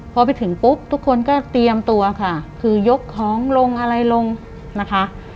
พอไปถึงปุ๊บทุกคนก็เตรียมตัวค่ะคือยกของลงอะไรลงนะคะ